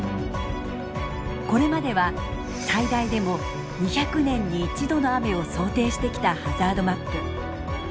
これまでは最大でも２００年に１度の雨を想定してきたハザードマップ。